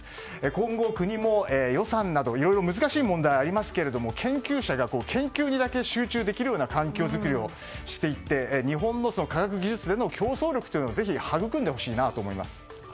今後、国も予算などいろいろ難しい問題がありますが研究者が研究にだけ集中できるような環境作りをしていって日本の科学技術での競争力をぜひ育んでほしいと思います。